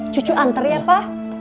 cucu antar ya pa